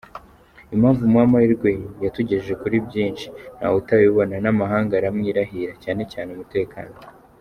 Impamvu muha amahirwe yatugejeje kuri byinshi ntawe utabibona n’amahanga aramwirahira, cyane cyane umutekano.